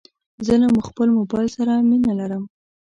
زه له خپل موبایل سره مینه لرم.